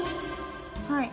はい。